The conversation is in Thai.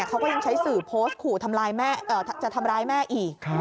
เขาก็ยังใช้สื่อโพสต์ขู่จะทำร้ายแม่อีก